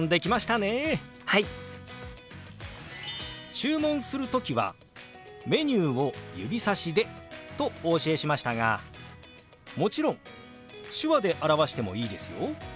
注文する時はメニューを指さしでとお教えしましたがもちろん手話で表してもいいですよ。